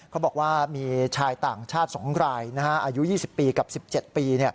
เขาบอกว่ามีชายต่างชาติ๒รายอายุ๒๐ปีกับ๑๗ปี